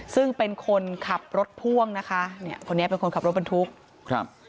ซึ่งเป็นคนขับรถพ่วงนะคะเนี่ยคนนี้เป็นคนขับรถบรรทุกครับ